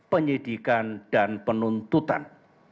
penyidikan dan penuntutan